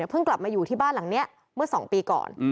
เพิ่งกลับมาอยู่ที่บ้านหลังนี้เมื่อ๒ปีก่อน